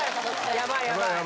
やばい、やばい。